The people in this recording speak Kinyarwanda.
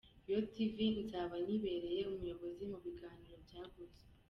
Iyo Tv nzaba nyibereye umuyobozi mu biganiro bya Gospel.